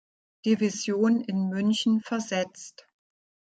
Division in München versetzt.